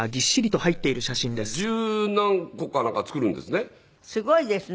十何個かなんか作るんですね。